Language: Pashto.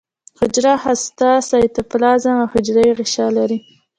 حجره هسته سایتوپلازم او حجروي غشا لري